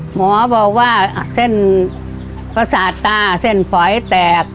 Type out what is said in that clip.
หมอบอกว่าเส้นประสาทตาเส้นฝอยแตก